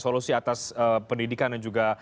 solusi atas pendidikan dan juga